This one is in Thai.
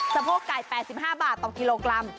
โพกไก่๘๕บาทต่อกิโลกรัม